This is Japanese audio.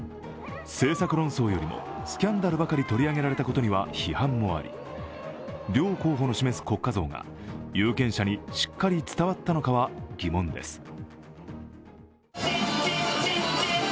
政策論争よりもスキャンダルばかり取り上げられたことには批判もあり両候補の示す国家像が有権者にしっかり伝わったのかは疑問です。